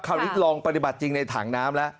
คราวนี้ลองปฏิบัติจริงในถังน้ำแล้ว